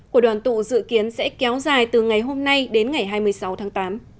cuộc đoàn tụ dự kiến sẽ kéo dài từ ngày hôm nay đến ngày hai mươi sáu tháng tám